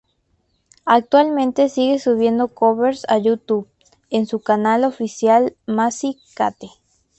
Actualmente sigue subiendo covers a YouTube en su canal oficial Macy Kate.